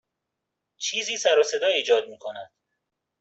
چیزی سر و صدا ایجاد می کند.